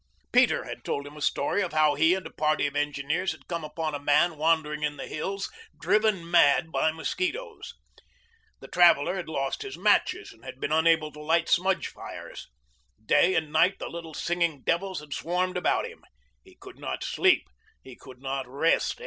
Peter had told him a story of how he and a party of engineers had come upon a man wandering in the hills, driven mad by mosquitoes. The traveler had lost his matches and had been unable to light smudge fires. Day and night the little singing devils had swarmed about him. He could not sleep. He could not rest.